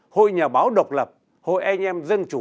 hội nhà báo độc lập hội anh em dân chủ v v